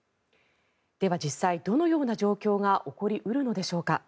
では実際どのような状況が起こり得るのでしょうか。